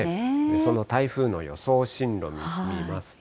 その台風の予想進路見ますと。